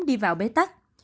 đi vào bế tắc